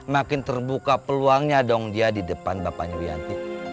makin terbuka peluangnya dong dia di depan bapaknya wianty